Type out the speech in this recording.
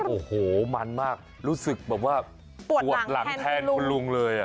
โอ้โหมันมากรู้สึกแบบว่าปวดหลังแทนคุณลุงเลย